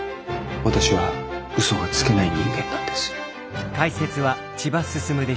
私は嘘がつけない人間なんです。